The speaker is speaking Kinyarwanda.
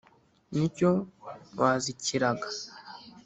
Ni cyo wazikiraga.